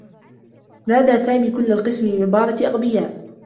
نادى سامي كلّ القسم بعبارة "أغبياء."